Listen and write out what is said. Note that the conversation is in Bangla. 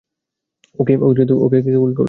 ওকে কে গুলি করলো?